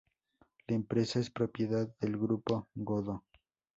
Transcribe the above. La empresa es propiedad del Grupo Godó.